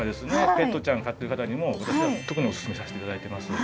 ペットちゃん飼ってる方にも私は特にオススメさせて頂いています。